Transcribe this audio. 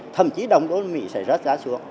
thậm chí đồng đô la mỹ sẽ rớt giá xuống